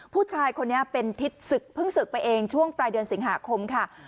ผู้ชายคนนี้เป็นทิศศึกเพิ่งศึกไปเองช่วงปลายเดือนสิงหาคมค่ะ